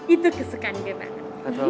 itu kesukaan gue banget